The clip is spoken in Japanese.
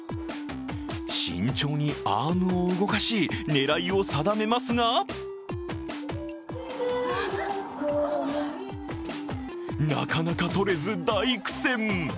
慎重にアームを動かし狙いを定めますがなかなかとれず大苦戦。